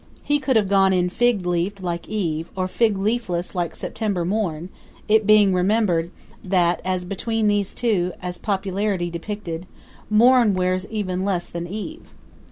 He could have gone in fig leaved like Eve, or fig leafless like September Morn, it being remembered that as between these two, as popularly depicted, Morn wears even less than Eve.